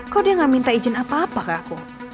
kok dia gak minta izin apa apa ke aku